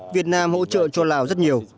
việt nam hỗ trợ cho lào rất nhiều